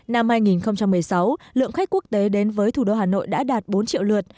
năm hai nghìn một mươi sáu lượng khách quốc tế đến với thủ đô hà nội đã đạt bốn triệu lượt